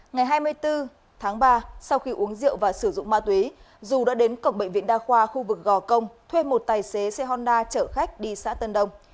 ngày hai mươi bốn tháng ba sau khi uống rượu và sử dụng ma túy dù đã đến cổng bệnh viện đa khoa khu vực gò công thuê một tài xế xe honna chở khách đi xã tân đông